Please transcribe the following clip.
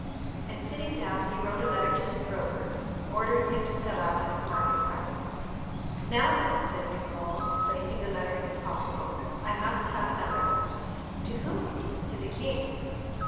And, sitting down, he wrote a letter to his broker, ordering him to sell out at the market price. "Now, then," said Villefort, placing the letter in his pocketbook, "I must have another!" "To whom?" "To the king."